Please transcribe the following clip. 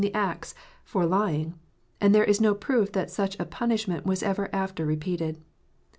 the Acts, for lying ; and there is no proof that such a punishment was ever after repeated.